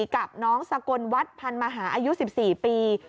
กับน้องสกลวัดพันมหาอายุ๑๔ปี